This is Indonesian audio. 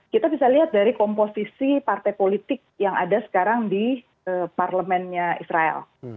kita bisa lihat dari komposisi partai politik yang ada sekarang di parlemennya israel